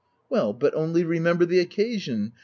"Well, but only remember the occasion!